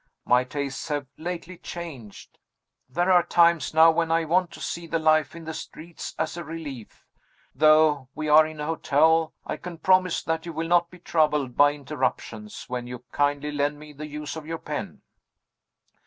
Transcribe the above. My tastes have lately changed there are times now when I want to see the life in the streets, as a relief. Though we are in a hotel, I can promise that you will not be troubled by interruptions, when you kindly lend me the use of your pen."